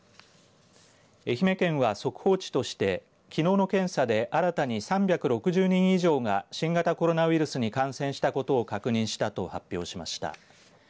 愛媛県は、速報値としてきのうの検査で新たに３６０人以上が新型コロナウイルスに感染したことを確認したと発表しました。